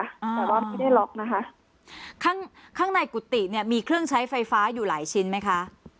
แต่ว่าไม่ได้ล็อกนะคะข้างข้างในกุฏิเนี่ยมีเครื่องใช้ไฟฟ้าอยู่หลายชิ้นไหมคะ